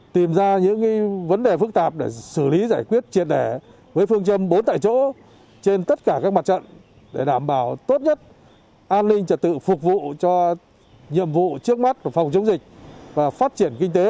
tìm ra những vấn đề phức tạp để xử lý giải quyết triệt đẻ với phương châm bốn tại chỗ trên tất cả các mặt trận để đảm bảo tốt nhất an ninh trật tự phục vụ cho nhiệm vụ trước mắt của phòng chống dịch và phát triển kinh tế